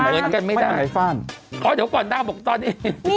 อ๋อเดี๋ยวก่อนนางบอกตอนนี้